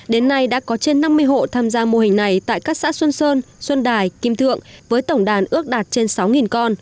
đến nay đã có trên năm mươi hộ tham gia mô hình này tại các xã xuân sơn xuân đài kim thượng với tổng đàn ước đạt trên sáu con